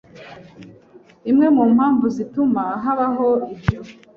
Imwe mu mpamvu zituma habaho ibyo